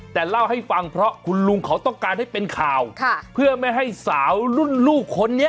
แต่เล่าให้ฟังเพราะคุณลุงเขาต้องการให้เป็นข่าวเพื่อไม่ให้สาวรุ่นลูกคนนี้